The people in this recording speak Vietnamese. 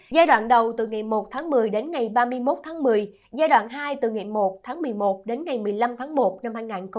giai đoạn đầu từ ngày một tháng một mươi đến ngày ba mươi một tháng một mươi giai đoạn hai từ ngày một tháng một mươi một đến ngày một mươi năm tháng một năm hai nghìn hai mươi